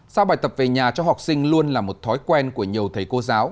sao bài tập về nhà cho học sinh luôn là một thói quen của nhiều thầy cô giáo